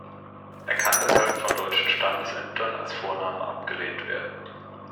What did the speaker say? Er kann deshalb von deutschen Standesämtern als Vorname abgelehnt werden.